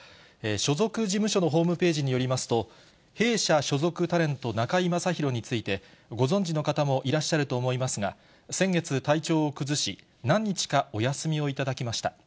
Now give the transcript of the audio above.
所属事務所のホームページによりますと、弊社所属タレント、中居正広について、ご存じの方もいらっしゃると思いますが、先月、体調を崩し、何日かお休みを頂きました。